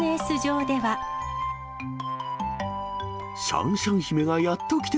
シャンシャン姫がやっと来て